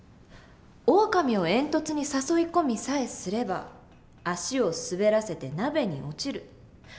オオカミを煙突に誘い込みさえすれば足を滑らせて鍋に落ちる。